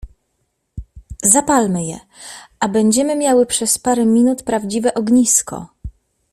— Zapalmy je, a będziemy miały przez parę minut prawdziwe ognisko.